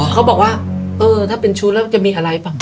เพราะบอกว่าเออถ้าเป็นชู้แล้วจะมีอะไรบ้าง